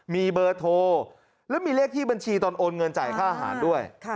มีเบอร์โทรแล้วมีเลขที่บัญชีตอนโอนเงินจ่ายค่าอาหารด้วย